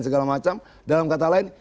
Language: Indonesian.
segala macam dalam kata lain